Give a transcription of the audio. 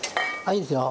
いいですよ。